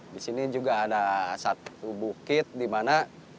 disini juga ada satu bukit dimana